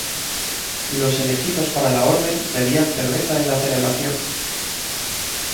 Los elegidos para la orden bebían cerveza en la celebración.